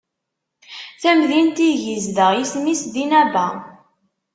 Tamdint ideg izdeɣ isem-is Dinaba.